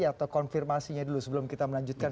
atau konfirmasinya dulu sebelum kita melanjutkan